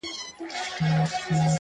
• سره جمع کړي ټوټې سره پیوند کړي ,